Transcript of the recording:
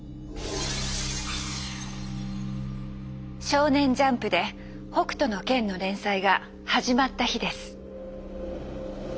少年ジャンプで「北斗の拳」の連載が始まった日です。